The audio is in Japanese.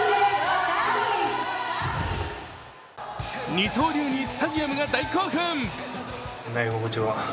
二刀流にスタジアムが大興奮。